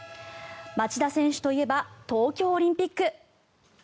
町田選手といえば東京オリンピック。